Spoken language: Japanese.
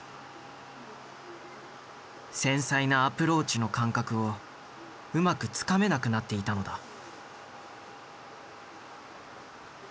繊細なアプローチの感覚をうまくつかめなくなっていたのだ。